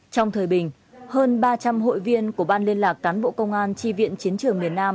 trong thời bình hơn ba trăm linh hội viên của ban liên lạc cán bộ công an tri viện chiến trường miền nam